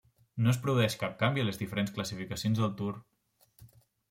No es produeix cap canvi a les diferents classificacions del Tour.